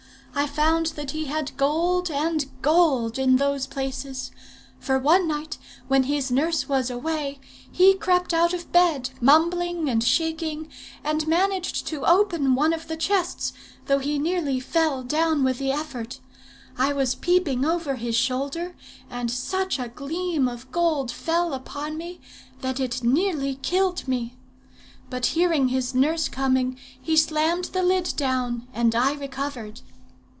I found that he had gold and gold in those places; for one night, when his nurse was away, he crept out of bed, mumbling and shaking, and managed to open one of his chests, though he nearly fell down with the effort. I was peeping over his shoulder, and such a gleam of gold fell upon me, that it nearly killed me. But hearing his nurse coming, he slammed the lid down, and I recovered.